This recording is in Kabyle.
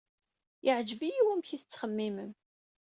Yeɛjeb-iyi wamek ay tettxemmim.